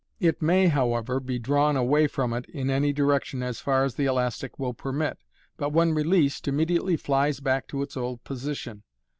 It may, however, be drawn away from it in any direction as far as the elastic will permit, but, when released, immediately flies back to its old position.